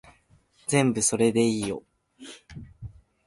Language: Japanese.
全部それでいいよ